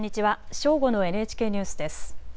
正午のＮＨＫニュースです。